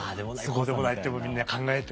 こうでもないってみんなもう考えて。